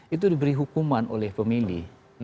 itu diberi hukuman oleh pemilih